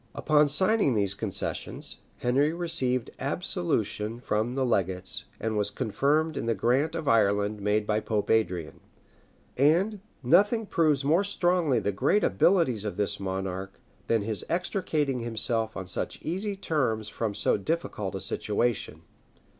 Upon signing these concessions, Henry received absolution from the legates, and was confirmed in the grant of Ireland made by Pope Adrian; and nothing proves more strongly the great abilities of this monarch than his extricating himself on such easy terms from so difficult a situation.